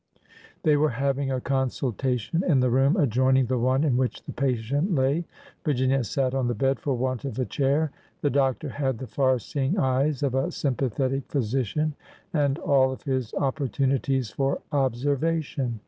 They were having a consultation in the room adjoining the one in which the patient lay. Virginia sat on the bed for want of a chair. The doctor had the far seeing eyes of a sympathetic physician, and all of his opportuni ties for observation.